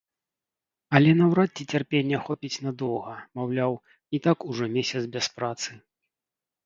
Але наўрад ці цярпення хопіць надоўга, маўляў, і так ужо месяц без працы.